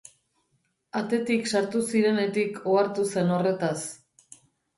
Atetik sartu zirenetik ohartu zen horretaz.